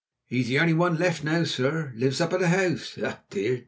"He's the only one left now, sir. Lives up at the House. Ah, dear!